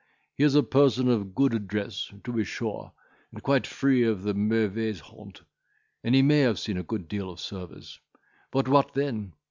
He is a person of good address,—to be sure, and quite free of the mauvaise honte, and he may have seen a good deal of service. But what then?